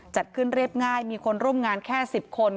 จัดขึ้นเรียบง่ายมีคนร่วมงานแค่๑๐คน